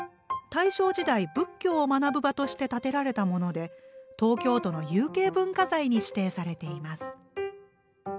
大正時代仏教を学ぶ場として建てられたもので東京都の有形文化財に指定されています。